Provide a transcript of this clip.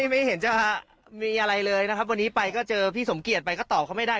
ไม่เห็นจะมีอะไรเลยนะครับวันนี้ไปก็เจอพี่สมเกียจไปก็ตอบเขาไม่ได้